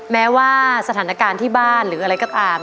แม้ว่าสถานการณ์ที่บ้านหรืออะไรก็ตาม